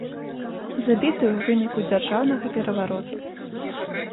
Забіты ў выніку дзяржаўнага перавароту.